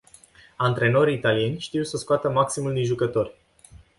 Antrenorii italieni știu să scoată maximul din jucători.